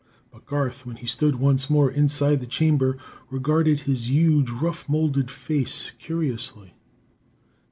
But Garth, when he stood once more inside the chamber, regarded his huge, rough moulded face curiously.